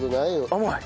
甘い。